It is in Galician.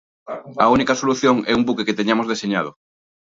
A única solución é un buque que teñamos deseñado.